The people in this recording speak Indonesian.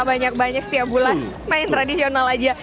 banyak banyak setiap bulan main tradisional aja